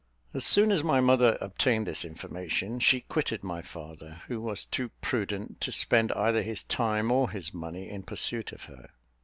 As soon as my mother obtained this information, she quitted my father, who was too prudent to spend either his time or his money in pursuit of her.